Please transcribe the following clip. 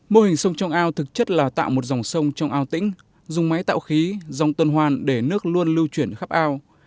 mô hình sông trong ao thực chất là tạo một dòng sông trong ao tĩnh dùng máy tạo khí dòng tuân hoan để nước luôn lưu chuyển khắp ao